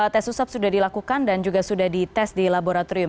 tes usap sudah dilakukan dan juga sudah dites di laboratorium